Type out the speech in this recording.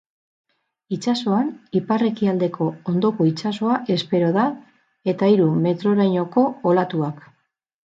Itsasoan ipar-ekialdeko hondoko itsasoa espero da, eta hiru metrorainoko olatuak.